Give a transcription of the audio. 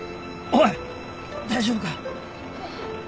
おい大丈夫か！？